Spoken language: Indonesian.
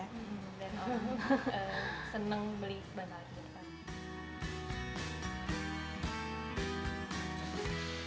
dan senang beli bantal kita